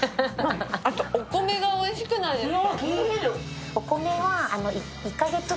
あと、お米がおいしくないですか？